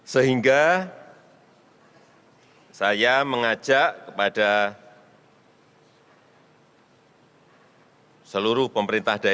sehingga saya mengajak kepada seluruh pemerintah daerah